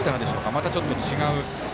またちょっと違う。